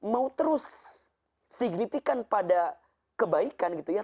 mau terus signifikan pada kebaikan gitu ya